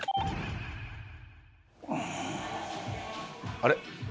あれ？